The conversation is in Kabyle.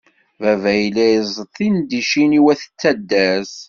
Baba yella izeṭṭ tidencin i wat taddart.